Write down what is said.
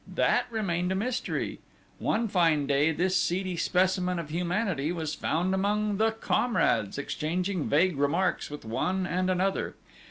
That remained a mystery. One fine day this seedy specimen of humanity was found among the "comrades" exchanging vague remarks with one and another.